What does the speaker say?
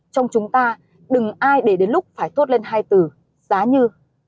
trong chúng ta đừng ai để đến lúc phải tốt lên hai từ giá như